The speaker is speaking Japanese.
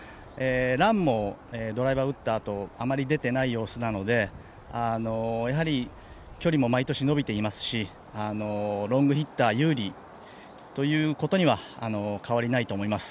ランもドライバー打ったあとあまり出てないようなのでやはり距離も毎年伸びていますしロングヒッター有利ということには変わりないと思います。